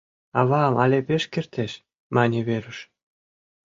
— Авам але пеш кертеш, — мане Веруш.